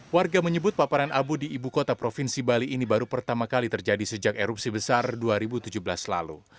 warga menyebut paparan abu di ibu kota provinsi bali ini baru pertama kali terjadi sejak erupsi besar dua ribu tujuh belas lalu